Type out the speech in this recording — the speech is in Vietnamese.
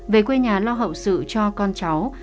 về quê nhà lo hậu sự cho con cháu